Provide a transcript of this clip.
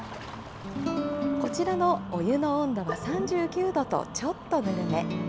こちらのお湯の温度は３９度とちょっとぬるめ。